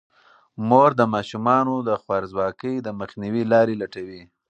مور د ماشومانو د خوارځواکۍ د مخنیوي لارې لټوي.